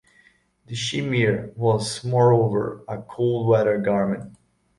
The chimere was, moreover, a cold weather garment.